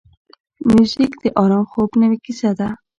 موزیک د آرام خوب نوې کیسه ده.